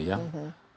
kadang seperti itu